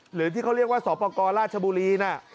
หรือที่เขาเรียกว่าสอปกรราชบุรีนะ